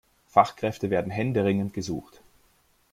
Fachkräfte werden händeringend gesucht.